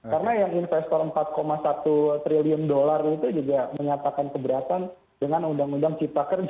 karena yang investor empat satu triliun dolar itu juga menyatakan keberatan dengan undang undang cipta kerja